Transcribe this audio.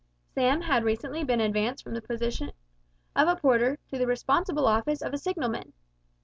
Sam had recently been advanced from the position of a porter, to the responsible office of a signalman.